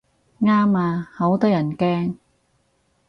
啱啊，好得人驚